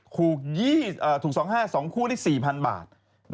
ถูก๒๕คู่ได้๔๐๐๐บาท